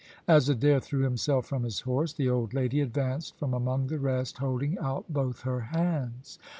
As Adair threw himself from his horse, the old lady advanced from among the rest, holding out both her hands.